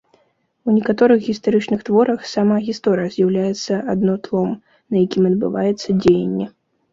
У некаторых гістарычных творах сама гісторыя з'яўляецца адно тлом, на якім адбываецца дзеянне.